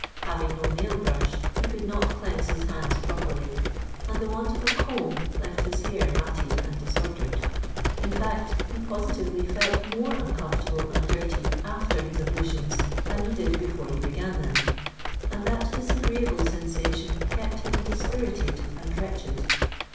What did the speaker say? Having no nail brush, he could not cleanse his hands properly; and the want of a comb left his hair matted and disordered. In fact, he positively felt more uncomfortable and dirty after his ablutions than he did before he began them; and that disagreeable sensation kept him dispirited and wretched.